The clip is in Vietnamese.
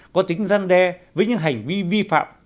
có tính răn đe với những hành vi vi phạm